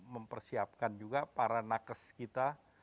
mempersiapkan juga para nakes kita